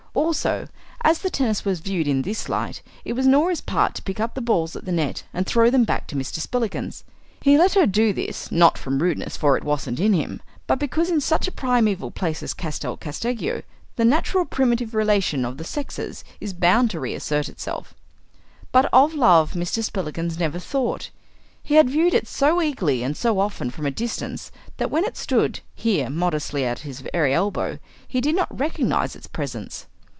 Also, as the tennis was viewed in this light, it was Norah's part to pick up the balls at the net and throw them back to Mr. Spillikins. He let her do this, not from rudeness, for it wasn't in him, but because in such a primeval place as Castel Casteggio the natural primitive relation of the sexes is bound to reassert itself. But of love Mr. Spillikins never thought. He had viewed it so eagerly and so often from a distance that when it stood here modestly at his very elbow he did not recognize its presence.